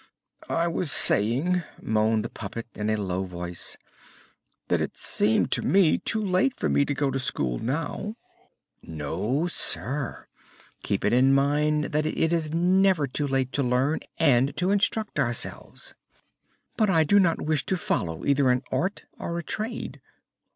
"I was saying," moaned the puppet in a low voice, "that it seemed to me too late for me to go to school now." "No, sir. Keep it in mind that it is never too late to learn and to instruct ourselves." "But I do not wish to follow either an art or a trade."